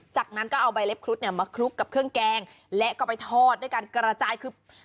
จากนั้นก็เอาใบเล็บครุฑเนี่ยมาคลุกกับเครื่องแกงและก็ไปทอดด้วยการกระจายคือ